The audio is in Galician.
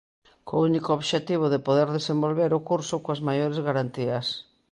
Co único obxectivo de poder desenvolver o curso coas maiores garantías.